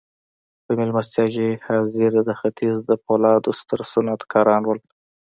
په مېلمستیا کې حاضر د ختیځ د پولادو ستر صنعتکاران وو